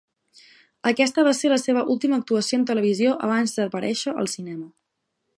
Aquesta va ser la seva última actuació en televisió abans d'aparèixer al cinema.